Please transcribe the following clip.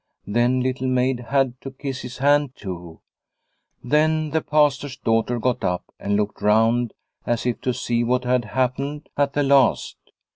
Then Little Maid had to kiss his hand too. Then the Pastor's daughter got up and looked round as if to see what had happened at the last.